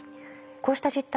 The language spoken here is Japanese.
こうした実態